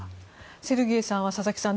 セルゲイさんは佐々木さん